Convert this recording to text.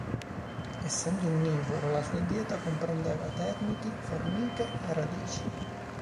Essendo onnivoro, la sua dieta comprendeva termiti, formiche e radici.